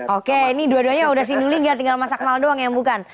oke ini dua duanya udah sinulinga tinggal mas akmal doang yang bukan